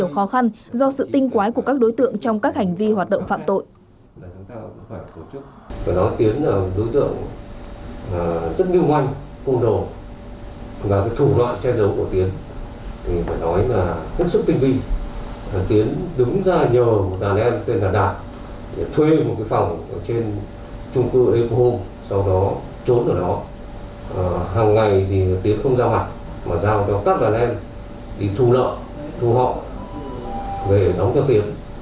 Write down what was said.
khó khăn do sự tinh quái của các đối tượng trong các hành vi hoạt động phạm tội